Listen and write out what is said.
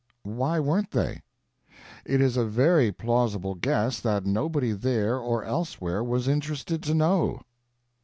Why weren't they? It is a very plausible guess that nobody there or elsewhere was interested to know.